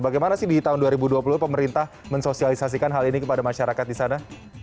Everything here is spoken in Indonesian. bagaimana sih di tahun dua ribu dua puluh pemerintah mensosialisasikan hal ini kepada masyarakat di sana